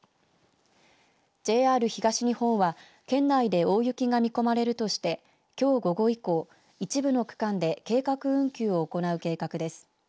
ＪＲ東日本は県内で大雪が見込まれるとしてきょう午後以降、一部の区間で計画運休を行う計画です。